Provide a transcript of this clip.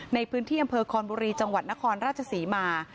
ในพื้นที่อำเภอคอนบุรีจังหวัดนครราชศรีมา